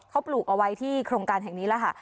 เขาปลูกเอาไว้ที่โครงการแห่งนี้แล้วค่ะ